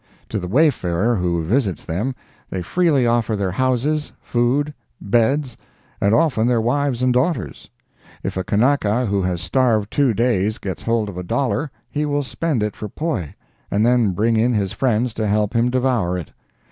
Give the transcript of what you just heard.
To the wayfarer who visits them they freely offer their houses, food, beds, and often their wives and daughters. If a Kanaka who has starved two days gets hold of a dollar he will spend it for poi, and then bring in his friends to help him devour it.